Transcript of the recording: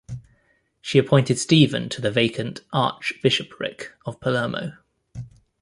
She appointed Stephen to the vacant archbishopric of Palermo.